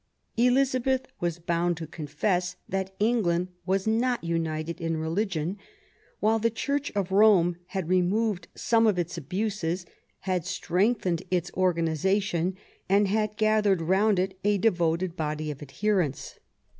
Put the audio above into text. Elizabeth was bound to confess that England was not united in religion, while the Church of Rome had removed some of its abuses, had strengthened its organisation, and had gathered round it a devoted body of adherents.